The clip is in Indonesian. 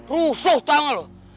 rusuh tau gak lo